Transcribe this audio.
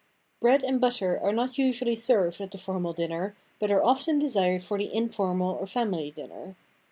Bread and butter are not usually served at the formal dinner, but are often desired for the informal or family dinner.